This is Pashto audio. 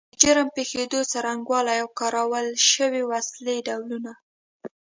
د جرم پیښېدو څرنګوالی او کارول شوې وسلې ډولونه